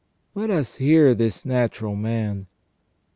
Let us hear this natural man.